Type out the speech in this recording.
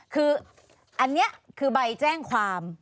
คืออันนี้คือใบแจ้งความ